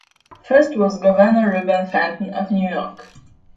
First was Governor Reuben Fenton of New York.